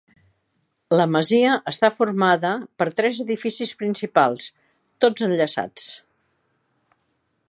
La masia està formada per tres edificis principals, tots enllaçats.